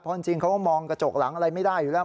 เพราะจริงเขาก็มองกระจกหลังอะไรไม่ได้อยู่แล้ว